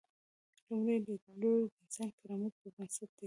لومړی لیدلوری د انساني کرامت پر بنسټ دی.